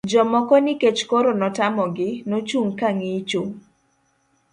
jomoko nikech koro notamogi, nochung' ka ng'icho